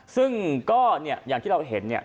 ซึ่งก็เนี่ยอย่างที่เราเห็นเนี่ย